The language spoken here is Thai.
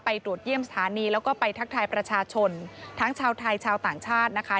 ตรวจเยี่ยมสถานีแล้วก็ไปทักทายประชาชนทั้งชาวไทยชาวต่างชาตินะคะ